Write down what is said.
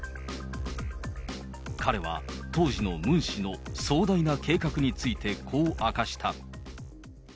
彼は当時のムン氏の壮大な計画についてこう明かした。